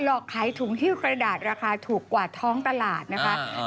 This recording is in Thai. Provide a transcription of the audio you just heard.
อกขายถุงหิ้วกระดาษราคาถูกกว่าท้องตลาดนะคะ